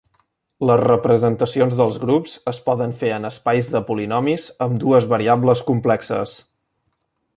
Les representacions dels grups es poden fer en espais de polinomis amb dues variables complexes.